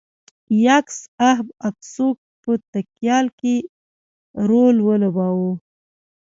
یاکس اهب اکسوک په تیکال کې رول ولوباوه.